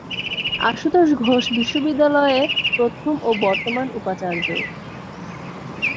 আশুতোষ ঘোষ বিশ্ববিদ্যালয়ে প্রথম ও বর্তমান উপাচার্য।